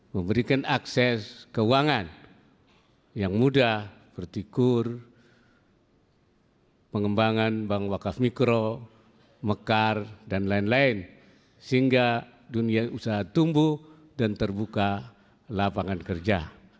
memberikan akses keuangan yang mudah bertikur pengembangan bank wakaf mikro mekar dan lain lain sehingga dunia usaha tumbuh dan terbuka lapangan kerja